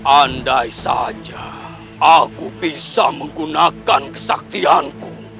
andai saja aku bisa menggunakan kesaktianku